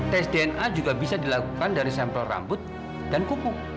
tes dna juga bisa dilakukan dari sampel rambut dan kupu